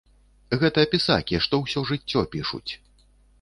Гэта пісакі, што ўсё жыццё пішуць!